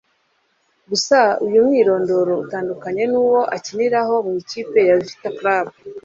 Gusa uyu mwirondoro utandukanye n’uwo akiniraho mu ikipe ya Vita Club